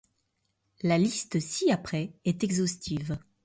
La liste ci-après est exhaustive.